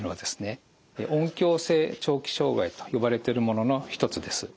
音響性聴器障害と呼ばれてるものの一つです。